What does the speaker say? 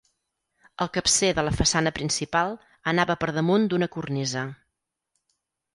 El capcer de la façana principal anava per damunt d'una cornisa.